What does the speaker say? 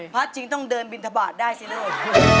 พระจริงต้องเดินบินทบาทได้สิลูก